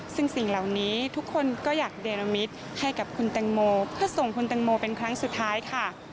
ซึ่งสิ่งเหล่านี้ทุกคนก็อยากเดรมิตให้กับคุณแตงโมเพื่อส่งคุณแตงโมเป็นครั้งสุดท้ายค่ะ